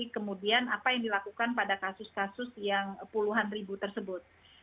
kemudian apa yang dilakukan pada kasus kasus yang puluhan ribu tersebut